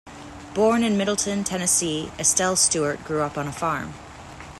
Born in Middleton, Tennessee, Estelle Stewart grew up on a farm.